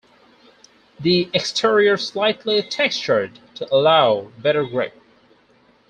The exterior's slightly textured to allow better grip.